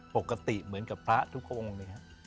ปกติเหมือนกับพระทุกองค์เลยครับ